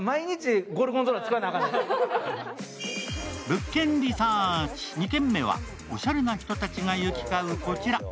「物件リサーチ」２軒目はおしゃれな人たちが行き交うこちら。